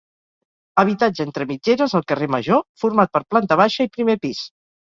Habitatge entre mitgeres al carrer Major format per planta baixa i primer pis.